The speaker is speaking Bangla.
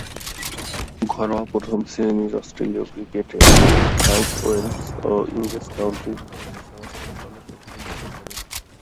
ঘরোয়া প্রথম-শ্রেণীর অস্ট্রেলীয় ক্রিকেটে নিউ সাউথ ওয়েলস ও ইংরেজ কাউন্টি ক্রিকেটে সমারসেট দলের প্রতিনিধিত্ব করেন।